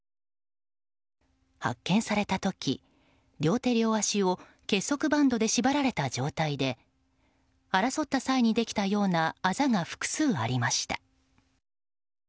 発見された時、両手両足を結束バンドで縛られた状態で争った際にできたようなあざが複数ありました。